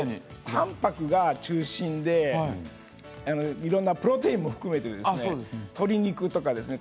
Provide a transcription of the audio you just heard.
たんぱくが中心でいろんなプロテインも含めてですね鶏肉とかですね